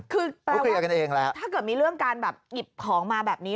คือแปลว่าถ้าเกิดมีเรื่องการหยิบของมาแบบนี้